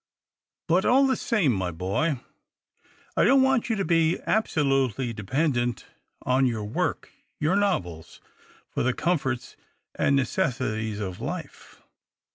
" But all the same, my boy, I don't want you to be absolutely dependent on your work — your novels — for the comforts and necessities of life.